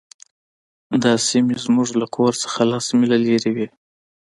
دا سیمې زموږ له کور څخه لس میله لرې وې